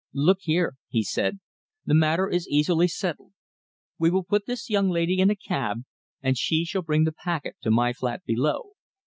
"Look here," he said, "the matter is easily settled. We will put this young lady in a cab and she shall bring the packet to my flat below.